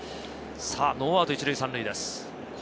ノーアウト１塁３塁です。